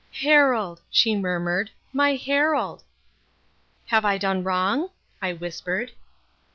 "Harold," she murmured, "my Harold." "Have I done wrong?" I whispered.